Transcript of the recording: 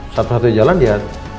satu satunya jalan dia